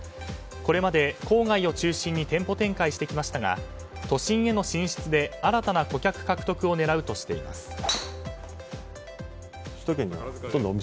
これまで郊外を中心に店舗展開してきましたが都心への進出で新たな顧客獲得を狙うとしています。